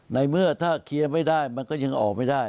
ในเมื่อถ้าเคลียร์ไม่ได้มันก็ยังออกไม่ได้